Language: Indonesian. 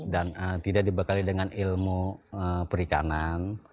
tidak dibekali dengan ilmu perikanan